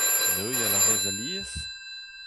Neuial a rez alies ?